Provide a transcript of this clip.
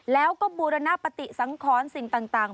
แล้วก็บูรณปฏิสังขรสิ่งต่าง